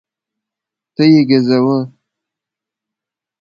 ته یې ګزوه